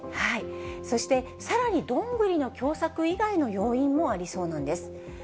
そしてさらにドングリの凶作以外の要因もありそうなんです。